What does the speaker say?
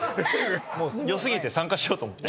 もうよすぎて参加しようと思って。